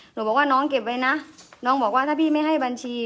บอกว่าน้องเก็บไว้นะน้องบอกว่าถ้าพี่ไม่ให้บัญชี